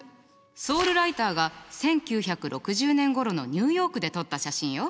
ソール・ライターが１９６０年ごろのニューヨークで撮った写真よ。